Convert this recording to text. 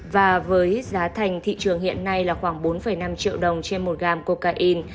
và với giá thành thị trường hiện nay là khoảng bốn năm triệu đồng trên một gam cocaine